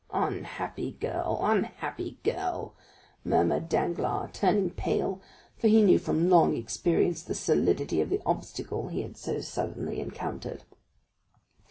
"Unhappy girl, unhappy girl!" murmured Danglars, turning pale, for he knew from long experience the solidity of the obstacle he had so suddenly encountered.